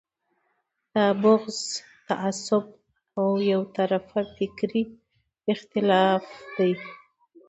دا بغض، تعصب او یو طرفه فکري اختلاف دی.